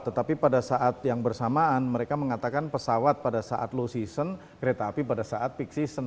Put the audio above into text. tetapi pada saat yang bersamaan mereka mengatakan pesawat pada saat low season kereta api pada saat peak season